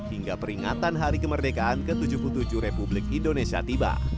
hingga peringatan hari kemerdekaan ke tujuh puluh tujuh republik indonesia tiba